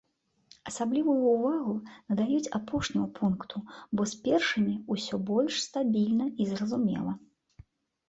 Асаблівую ўвагу надаюць апошняму пункту, бо з першымі ўсё больш стабільна і зразумела.